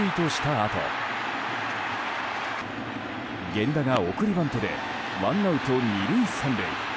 あと源田が送りバントでワンアウト２塁３塁。